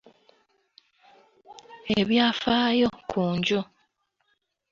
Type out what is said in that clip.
Ebyafaayo ku nju.